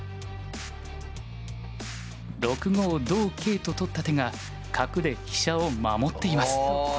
６五同桂と取った手が角で飛車を守っています。